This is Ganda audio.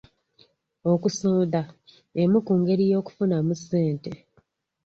Okusonda emu ku ngeri y'okufuna ssente.